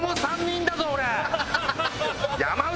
山内！